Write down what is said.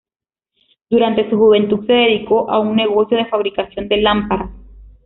Durante su juventud se dedicó a un negocio de fabricación de lámparas.